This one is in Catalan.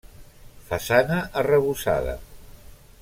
Façana arrebossada.